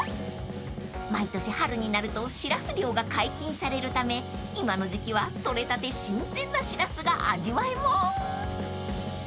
［毎年春になるとしらす漁が解禁されるため今の時季は取れたて新鮮なしらすが味わえます］